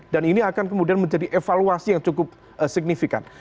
dan ini akan kemudian menjadi evaluasi yang cukup signifikan